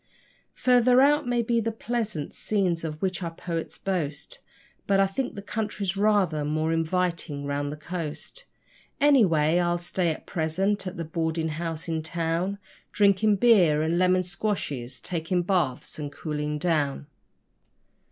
Further out may be the pleasant scenes of which our poets boast, But I think the country's rather more inviting round the coast. Anyway, I'll stay at present at a boarding house in town, Drinking beer and lemon squashes, taking baths and cooling down.